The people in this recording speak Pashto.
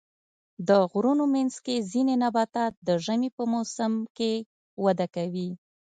د غرونو منځ کې ځینې نباتات د ژمي په موسم کې وده کوي.